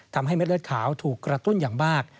ทำให้เม็ดเลือดขาวถูกกระตุ้นอย่างมาก